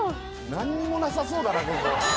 何もなさそうだなここ。